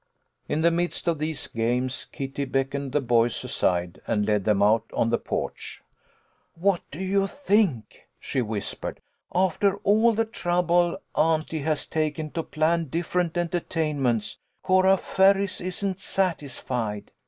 In the midst of these games Kitty beckoned the boys aside and led them out on the porch. " What do you think ?" she whispered. " After all the trouble auntie has taken to plan different entertainments, Cora Ferris isn't satisfied.